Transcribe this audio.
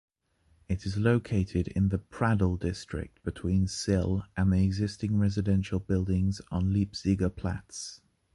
It is located in the Pradl district between Sill and the existing residential buildings on Leipziger Platz.